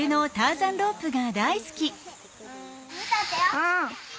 うん。